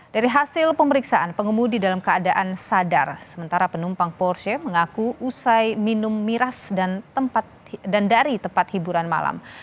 dari hasil pemeriksaan pengemudi dalam keadaan sadar sementara penumpang porsche mengaku usai minum miras dan dari tempat hiburan malam